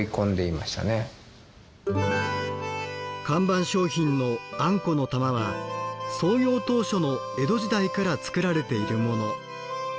看板商品のあんこの玉は創業当初の江戸時代から作られているもの。